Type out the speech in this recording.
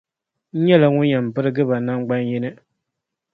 N nyɛla ŋun yɛn birigi ba namgbaniyini.